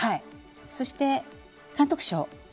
そして、監督賞。